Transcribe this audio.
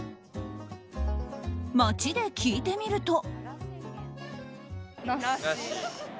街で聞いてみると。